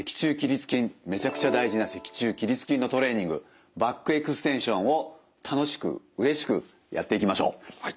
めちゃくちゃ大事な脊柱起立筋のトレーニングバックエクステンションを楽しくうれしくやっていきましょう。